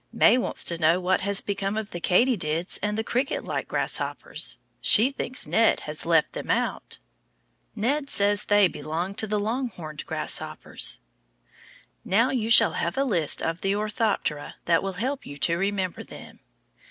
May wants to know what has become of the katydids and the cricket like grasshoppers she thinks Ned has left them out. Ned says they belong to the longhorned grasshoppers. Now you shall have a list of the Orthoptera that will help you to remember them.